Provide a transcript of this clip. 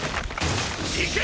行け！！